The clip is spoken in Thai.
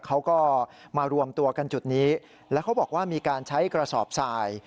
เขาก็มารวมตัวกันจุดนี้แล้วเขาบอกว่ามีการใช้กระสอบทราย